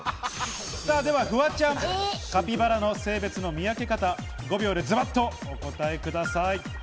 フワちゃん、カピバラの性別の見分け方、５秒でズバッとお答えください。